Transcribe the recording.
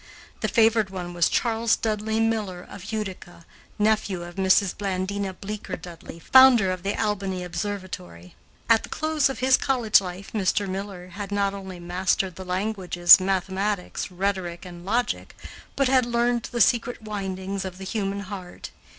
The favored one was Charles Dudley Miller of Utica, nephew of Mrs. Blandina Bleecker Dudley, founder of the Albany Observatory. At the close of his college life Mr. Miller had not only mastered the languages, mathematics, rhetoric, and logic, but had learned the secret windings of the human heart.